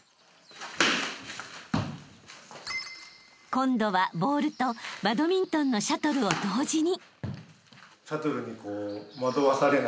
［今度はボールとバドミントンのシャトルを同時に］